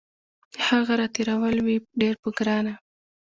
د هغه راتېرول وي ډیر په ګرانه